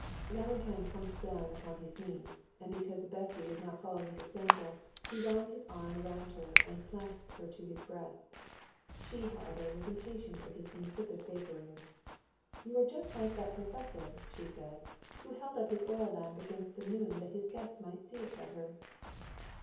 Valentine plumped down upon his knees, and because Bessy would not follow his example, he wound his arm around her and clasped her to his breast. She, however, was impatient at his insipid vapourings. "You are just like that professor," said she, "who held up his oil lamp against the moon that his guests might see her better."